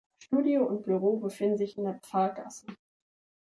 Studio und Büro befinden sich in der Pfarrgasse.